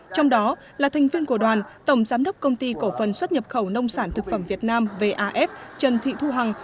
trong đó là thành viên của đoàn tổng giám đốc công ty cổ phần xuất nhập khẩu nông sản thực phẩm việt nam vaf trần thị thu hằng